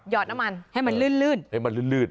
อดน้ำมันให้มันลื่นให้มันลื่น